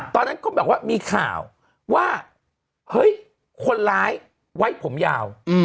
ตอนนั้นก็แบบว่ามีข่าวว่าเฮ้ยคนร้ายไว้ผมยาว